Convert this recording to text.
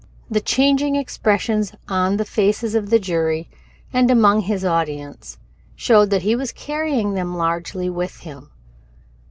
The changing expressions on the faces of the jury and among his audience showed that he was carrying them largely with him.